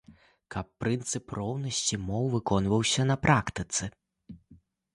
Каб прынцып роўнасці моў выконваўся на практыцы.